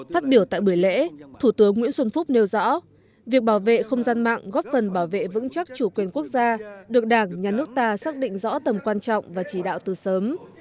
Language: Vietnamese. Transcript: phát biểu tại buổi lễ thủ tướng nguyễn xuân phúc nêu rõ việc bảo vệ không gian mạng góp phần bảo vệ vững chắc chủ quyền quốc gia được đảng nhà nước ta xác định rõ tầm quan trọng và chỉ đạo từ sớm